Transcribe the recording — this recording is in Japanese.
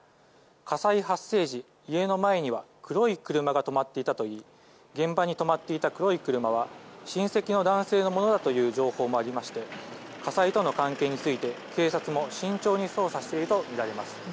火災発生時、家の前には黒い車が止まっていたといい現場に止まっていた黒い車は親戚の男性のものだという情報もありまして火災との関係について警察も慎重に捜査しているとみられます。